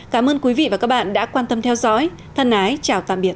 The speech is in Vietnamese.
cảm ơn quý vị và các bạn đã quan tâm theo dõi thân ái chào tạm biệt